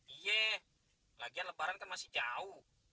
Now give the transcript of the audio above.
iya lagian lebaran kan masih jauh